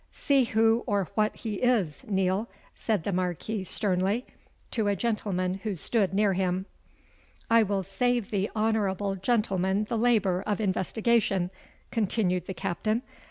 "See who or what he is, Neal," said the Marquis sternly, to a gentleman who stood near him. "I will save the honourable gentleman the labour of investigation," continued the Captain.